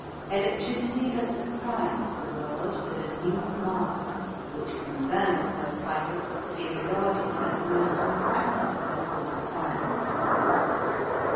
Electricity has surprised the world with a new marvel, which confirms her title to be regarded as the most miraculous of all the sciences.